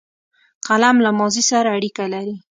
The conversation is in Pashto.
قلم له ماضي سره اړیکه لري